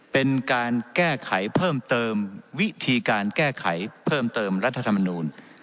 เป็นการแก้ไขเพิ่มเติมวิธีการแก้ไขเพิ่มเติมรัฐธรรมนูล